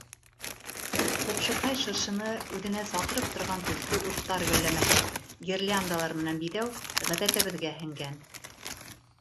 Ҡупшыҡай шыршыны үҙенә саҡырып торған төҫлө уттар гөлләмәһе — гирляндалар менән биҙәү ғәҙәтебеҙгә һеңгән.